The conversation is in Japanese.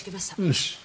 よし。